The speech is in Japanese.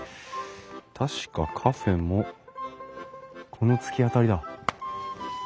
確かカフェもこの突き当たりだ。